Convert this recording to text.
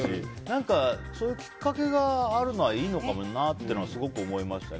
何かそういうきっかけがあるのはいいのかもなと思いました。